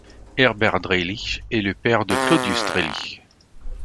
Herbert Dreilich est le père de Claudius Dreilich.